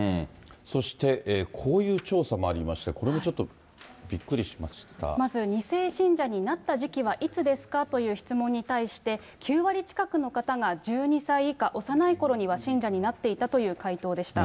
そしてこういう調査もありまして、これもちょっとびっくりしまずは２世信者になった時期はいつですかという質問に対して、９割近くの方が１２歳以下、幼いころには信者になっていたという回答でした。